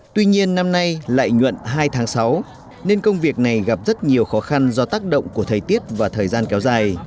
tuy nhiên năm nay lợi nhuận hai tháng sáu nên công việc này gặp rất nhiều khó khăn do tác động của thời tiết và thời gian kéo dài